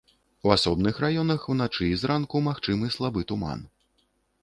У асобных раёнах уначы і зранку магчымы слабы туман.